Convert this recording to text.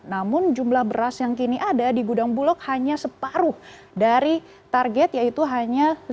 namun jumlah beras yang kini ada di gudang bulog hanya separuh dari target yaitu hanya